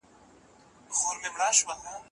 تعلیم یافته میندې د ماشومانو د لاسونو پاکوالی یادوي.